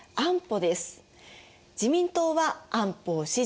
自民党は安保を支持。